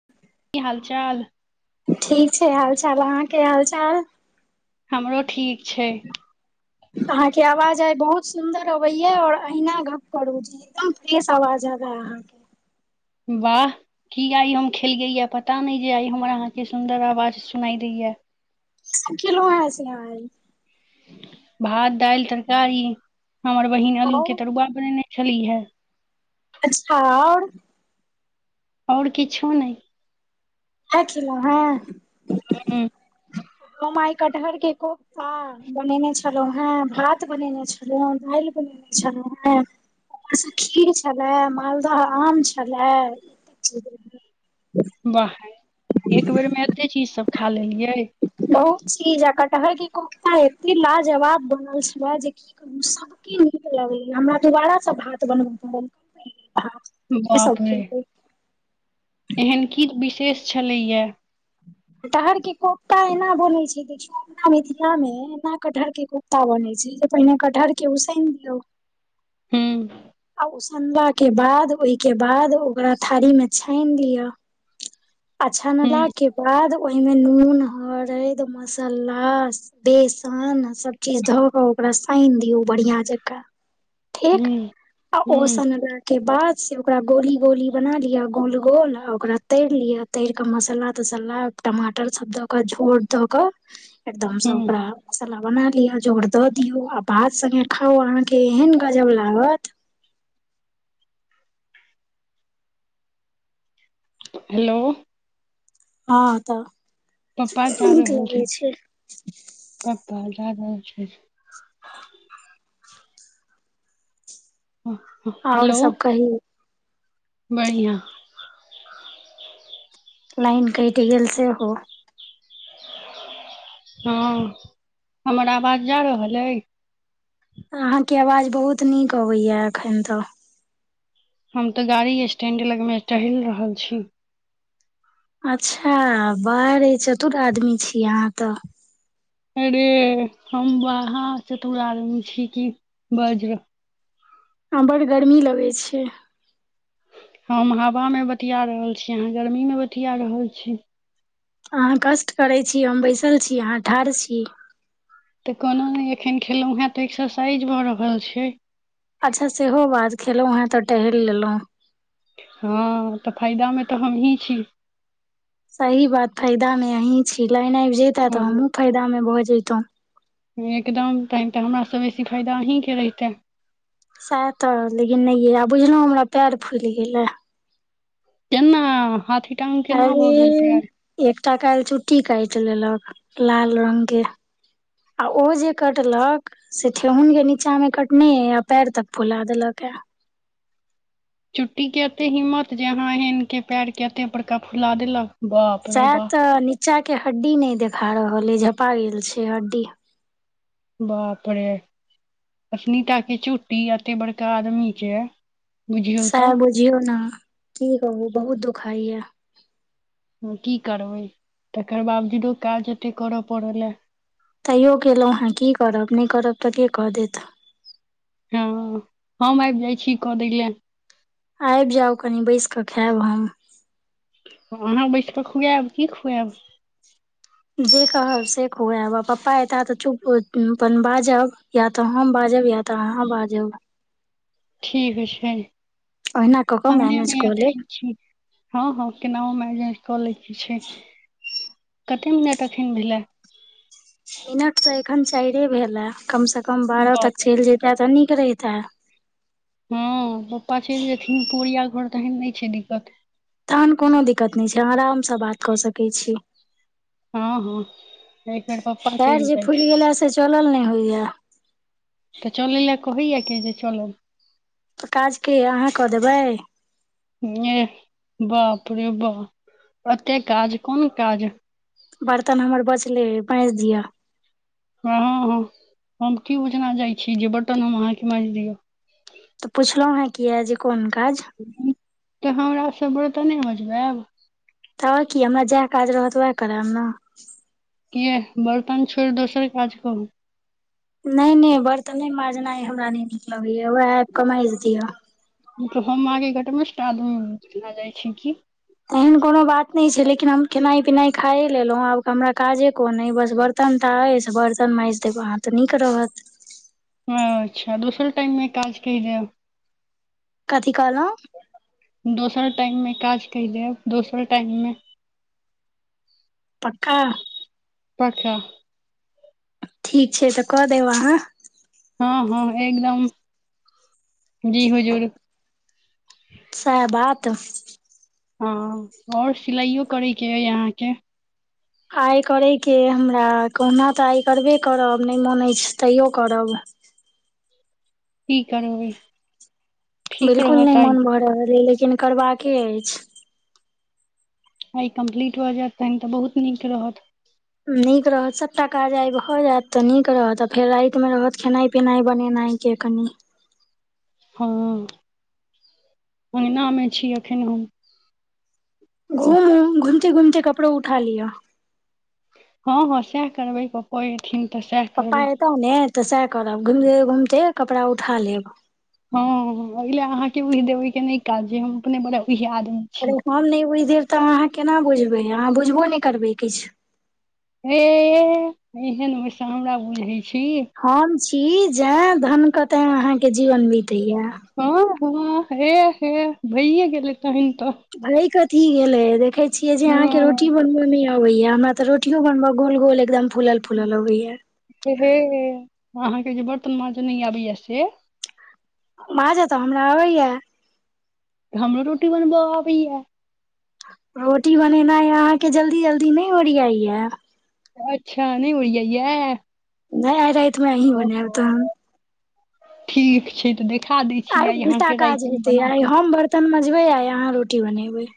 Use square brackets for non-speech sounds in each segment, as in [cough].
ह की हाल चाल? ठीक छै हाल चाल। अहाँके हालचाल? हमरो ठीक छै। अहां के आवाज आइ बहुत सुंन्दर अबेये, और अहिना गप्प करू, जी! एकदम फ्रेश आवाज आबे अहाँके। वाह! की आइ हम खेलियैए पता नहि जे, आइ हमर अहाँके सुन्दर आवाज सुनाइ दैया। कि खेलउ हँ से आइ। भात-दालि तरकारी, हमर बहिन आल्लू के और तरुआ बनेने छलीहे। अच्छा! आओर आओर किछो नहि। सैह खेलउ हँ। हुं। हम आइ कटहर के कोपता। बनेने छलहुँ हेँ, भात बनेने छलहुँ हें, दालि बनेने छलहुँ हें। ओइ पर सँ खीर छलए, मालदह आम छलए। वाह! एक बेर मे एते चीज सब खा लेलियै। बहुत चीज, आ कटहर के कोफ्ता एते लाजवाब बनल छले, जे कि सभके नीक लगैए, हमरा दोबारा से भात बनबै परल। बाप रे! एहन की विशेष छलैया। कटहर के कोफ्ता एना बनै छै गे। अपना मिथिला में एना कटहर के कुफ्ता बने छै जे, पहिने कटहर के उसैन दियऔ। हू। आ उसनबा के बाद, ओहि के बाद, ओकरा थारी मे छानि लिअ। आ हू छनलाा के बाद, ओहिमे नून, हरद, मसाला, बेसन, सब चीज धऽ क ओकरा सानि दियऔ, बढ़िया जकाँ। हू। ठीक आ ओ हू सनला के बाद से ओकरा गोली -गोली बना लियअ, गोल -गोल आ ओकरा तैर लियअ। तैर के मसालला- तसालला टमाटर सब द के, झोर द क हू एकदमसँ ओकरा मसाला बना लिअ, जोर द दियऔ, आ भात सगे खाउ अहाँके एहन गजब लागत। हेलो! हँ तऽ पप्पा नीक लगै छै। कप बा जााद छै ह आओर हेलो! सब कही बढ़िआँं। लाइन कैएट गेल सेहो। हां हमर आवाज जा रहल अय। अहाँके आवाज बहुत नीक अबैया एखन तऽ। हम तऽ गाड़ी स्टेंड लगमे टहैल रहल छी। अच्छा बाह रे चतुर आदमी छी अहाँ तऽ। अरे हम महा चतुर आदमी छी की बाजर आ बड़ गर्मी लगै छै। हम हवामे बतिया रहल छी, अहाँ गर्मीमे बतिया रहल छी। अहाँ कष्ट करै छी, हम बैसल छी, अहाँ ठाड़ छी। तऽ कोनो नै एखन खेलौ हे तऽ एक्सरसाइज भऽ रहल छै। अच्छा सेहो बात खेलौ हें तऽ टहैल लेलौ। हां तऽ फायदा मे तऽ हमही छी। सही बात फायदा मे अहीँ छी, लाइन आएब जैता तऽ हमु फायदामे भऽ जेतौ। एकदम तेहेन तऽ हमरा से बेसी फायदा अहीँ के रहितै। साएह तऽ लेकिन नै या आ बुझलौ हमरा पैर फुल गेलै। केना हाथी टांग केना अरे भऽ गेल पाएर। एकटा काएल चुट्टी काएट लेलक लाल रंग के। आ ओ जे कटलक से ठेहगुन के नीचा मे कटने ए आ पाएर तक फुला देलक ए। चुट्टीके एते हिम्मत जे अहाँ एहन के पाएर के एते बड़का फुला देलक। बाप रे साएह बाप तऽ नीचा के हड्डी नै देखा रहल अय, झपा गेल छै हड्डी। बाप रे एतनीटा के चुट्टी एते बड़का आदमी के बुझियौ साएह तऽ बुझियौ नै की कहु बहुत दुखाए या। हां की करबै तकर बावजूदो काज एते करा पड़ल अय। तैयो केलौ हें की करब नै करब तऽ के कऽ देत। हां हम आएब जाय छी कऽ दै लए। आएब जाउ कनि बैस कऽ खाएब हम। अहाँ बैस कऽ खुआएब की खुआएब। जे कहब से खुआएब आ पप्पा एता तऽ चुप उम्म अपन बाजब। या तऽ हम बाजब या तऽ अहाँ बाजब। ठीक छै, ओहिना कऽ कऽ अंगने मैनेज मे कऽ लेब अखैन छी। हां-हां केनाउ मे आएब जाय छै कऽ लैके छै कते मिनट एखैन भेलै। मिनट तऽ एखन चाएरे भेल ए, कम से कम बारअ बाप तक रे चैल जैता तऽ नीक रहिते। हां पप्पा चैल जेथिन पुवरिया घर तहेन नै छै दिक्कत। तहन कोनो दिक्कत नै छै, अहाँ अराम से बात कऽ सकै छी। हां-हां एक बेर पप्पा पैर चैल जे जाय। फुलि गेलए से चलल नै होयया। तऽ चलै लए कहै या के जे चलब। त काज के अहाँ कऽ देबै। एह बाप रे बा ओते काज, कुन काज बर्तन हमर बचले मैएज दियो। हां-हां हम की बुझना जाय छी जे बर्तन हम अहाँके मैएज दियौ। तऽ पुछलौ हें कियाए जे कुन काज तऽ हमरा से बरतने मजबाएब। तब की हमरा जाएह काज रहत वाएह कराएब नै। किये बर्तन छोड़ दोसर काज कह नहि नहि बर्तने माँजनाइ हमरा नहि नीक लगैया उएह आबि क माइज दिअ मलब हम अहाँके घटमाष्ट आदमी लए जाइ छी की एहन कोनो बात नहि छै लेकिन हम खेनाइ पिनाइ खायए लेलहुं आब हमरा काजे कोन बस बड़ बर्तन टा अईछ बर्तन माँजि देब अहाँ तऽ नीक रहत अच्छा दोसरे टाइममे काज कहि देब कथी कहालव दोसर टाइम मे काज क देेब दोसर टाइम मे पक्का- पाका ठीक छै तऽ कऽ देब अहाँ हँ हँ एकदम जी हजूर सहबात हँ आओर सिलाइयो करय के हइ यहाँके आइ करयके हमरा कहुना तऽ आइ करबे करब नहि मोन अछि तैयो करब कि करबे। बिल्कुल नहि मोन भऽ रहल अ लेकिन करबाक अछि आ ई कम्प्लीट भऽ जायत तहन तऽ बहुत नीक रहत नीक रहत सभटा काज आ भ जायत तऽ नीक रहत आ फेर राति मे रहत खेनाइ पिनाइ बनेनाइ ककनि हँ अगनामे छी अखन हम घूम घूमते घूमे कपड़ो उठा लिय हँ हँ सएह करबै पप्पो एथिन तऽ सएह करबै तऽ ने तऽ सएह करब घुमे घुमते कपड़ा उठा लेब हँ ओ ल अहाँके ओहि देबैके नहि काज जे हम अपने बड़ उह आदमी छी अरे हम नहि बुझि देब तऽ अहाँ केना बुझबै अहाँ बुझबो नहि करबै किछु हे एहन में सँ हमरा बुझै छी हम छी जय धन क ते अहाँके जीवन बीतैया हँ हँ हे हे भैए गेल त हन तऽ भाय कथी गेले देखे छियै जे अहाँ के रोटी हँ बनव नय अबैया हमरा तऽ रोटियो बनबल गोल गोल एकदम फूल फूल अबैया से हे अहाँके जे बर्तन माँज नहि आबैया से माज तऽ हमरा अबैय हमरो रोटी बनब अबैया रोटी बनेनाइ य अहाँके जल्दी जल्दी नहि ओरियाइया अच्छा नहि उड़आइ ह नहि आय रहै तऽमें अहीं बनेब तहन- ठीक छै तऽ देख दै छी- आइ उल्टा अहाँके काज राइटिंग हेतै बना आइ कऽ हम बर्तन मजबे आइ अहाँ रोटी बनेबै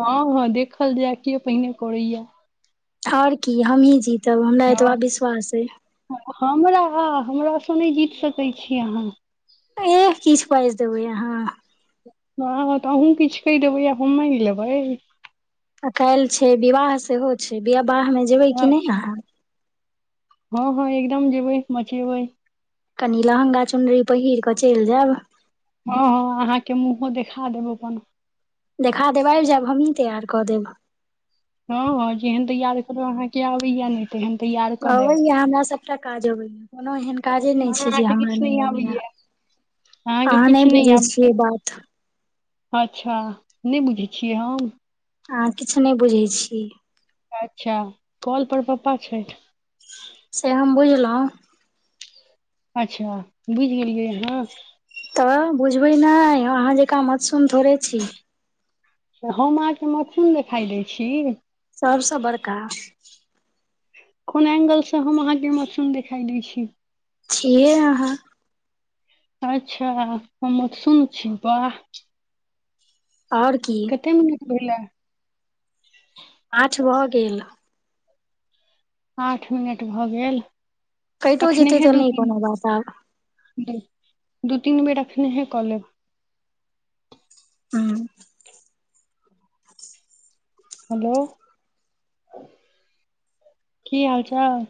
हँ हँ देखल जाय के पहिने करैए आओर की हमही जीतब हमरा एतबा हँ विश्वास अइ हमरा हमरासँ नहि जीत सकैत छी अहाँ एह किछु पाजि देबै अहाँ हँँ तऽ अहूँ किछु कहि देबै आ हम मैन लेबै। आ काल्हि छै विवाह सेहो छै विवाह मे। जेबै कि नहि अच्छा, अहाँ हँ हँ एकदम जेबै मचेबै। कनि लहँगा चुनरी पहिर कऽ चइल जायब। हँ हँ अहाँके मुँहो देखा देब अपन। देखा देब आबि जायब हमहीं तैयार कऽ देब। हँ हँ जेहन तैयार करब अहाँके आबैया नइ। अबैया हमरा सबटा काज अबैएा कोनो एहन- काजे नय छै जे अहाँके हमरा किछु नय नहि आबैया, अहाँके अहाँ किछु नहि बुझैछियै आबैया बात। अच्छा, नहि बुझैछियै हम? अहाँ किछ नहि बुझै छी। अच्छा कल पर पप्पा छैथ। से हम बुझलहुँ। अच्छा बुझिगेलियै अहाँ। तऽ बुझबै नय, अहाँ जेकाँ मतसून थोड़े छी। तऽ हम अहाँके मतसुन देखाइ दै छी? सबसँ बड़का। कोन एंगलसँ हम अहाँके मतसुन देखाइ दै छी। छीहे अहाँ। अच्छा हम मतसुन छी वाह। आओर की। कते मिनट भेलैऽ? आठ भऽ गेल। आठ मिनट भऽ गेल। कैटो जेतै तऽ नहि कोना बात आब। द- दू -तीन बेर एखनेहे कऽ लेब। हूँ। [unintelligible] हेलो कि हाल चाल?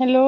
हेलो-